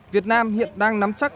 việt nam hiện đang nắm chắc